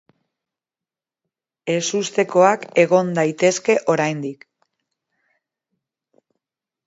Ezustekoak egon daitezke oraindik.